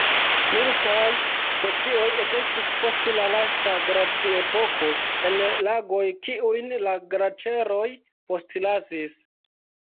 Multaj specioj ekestis post la lasta glaciepoko en lagoj kiujn la glaĉeroj postlasis.